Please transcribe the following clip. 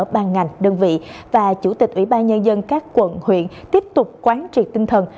ban ngành đơn vị và chủ tịch ủy ban nhân dân các quận huyện tiếp tục quán triệt tinh thần